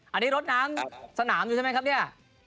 อันนี้รถน้ำสนามอยู่ใช่ไหมครับเนี่ย